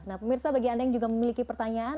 nah pemirsa bagi anda yang juga memiliki pertanyaan